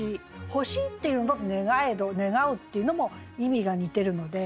「欲しい」っていうのと「願えど」「願う」っていうのも意味が似てるので。